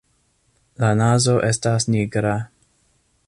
La nazo estas nigra.